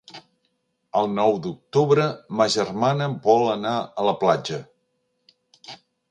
El nou d'octubre ma germana vol anar a la platja.